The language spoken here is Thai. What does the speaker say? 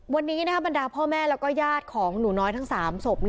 วันนี้บรรดาพ่อแม่แล้วก็ญาติของหนูน้อยทั้ง๓ศพ